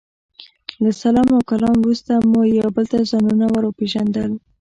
له سلام او کلام وروسته مو یو بل ته ځانونه ور وپېژندل.